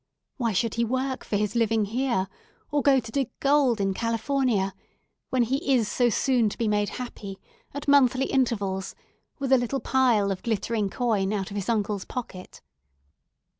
Why should he work for his living here, or go to dig gold in California, when he is so soon to be made happy, at monthly intervals, with a little pile of glittering coin out of his Uncle's pocket?